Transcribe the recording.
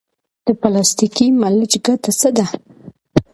د پلاستیکي ملچ ګټه څه ده؟